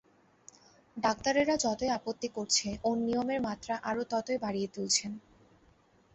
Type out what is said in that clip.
ডাক্তারেরা যতই আপত্তি করছে ওঁর নিয়মের মাত্রা আরো ততই বাড়িয়ে তুলছেন।